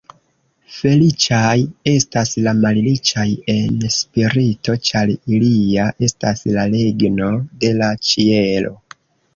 Feliĉaj estas la malriĉaj en spirito, ĉar ilia estas la regno de la ĉielo.